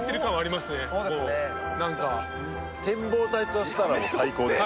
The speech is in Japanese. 展望台としたらもう最高ですね。